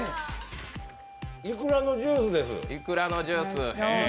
いくらのジュース、へえ。